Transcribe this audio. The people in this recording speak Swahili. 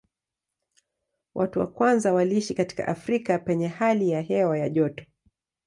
Watu wa kwanza waliishi katika Afrika penye hali ya hewa ya joto.